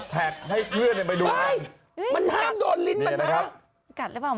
มันทำโดนลิ้นมันนะ